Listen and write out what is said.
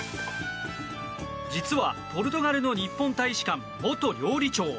実は、ポルトガルの日本大使館元料理長。